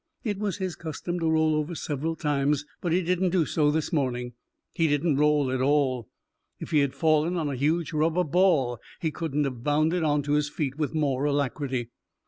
It was his custom to roll over several times, but he didn't do so this morning. He didn't roll at all. If he had fallen on a huge rubber ball, he couldn't have bounded on to his feet with more alacrity.